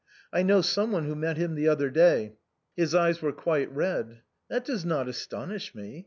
I know someone who met liim the other day, his eyes were quite red. That does not astonish me.